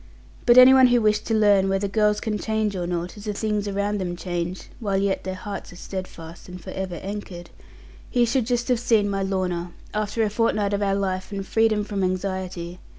But any one who wished to learn whether girls can change or not, as the things around them change (while yet their hearts are steadfast, and for ever anchored), he should just have seen my Lorna, after a fortnight of our life, and freedom from anxiety.